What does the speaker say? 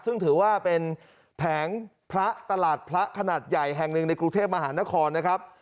ซึ่งถือว่าเป็นแผงพระตลาดพระขนาดใหญ่แห่งหนึ่งในกรุงเทพมหานครนะครับ